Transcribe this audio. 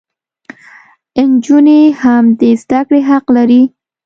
انجونې هم د زدکړي حق لري